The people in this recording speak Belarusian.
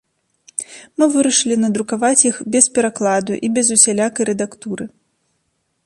Мы вырашылі надрукаваць іх без перакладу і без усялякай рэдактуры.